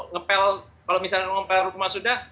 ngepel kalau misalnya ngepel rumah sudah